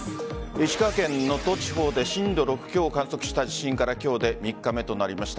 石川県能登地方で震度６強を観測した地震から今日で３日目となりました。